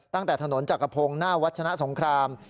ตั้งแต่ถนนจักรพงศ์หน้าวัชนะสงคราม